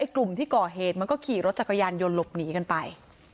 กลุ่มที่ก่อเหตุกี่รถจักรยานหลบหนีกันไป